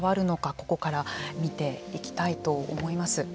ここから見ていきたいと思います。